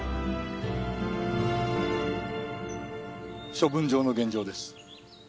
処分場の現状です。